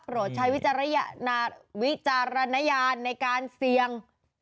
โปรดใช้วิจารณญาณในการเสียง